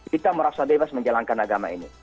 kita merasa bebas menjalankan agama ini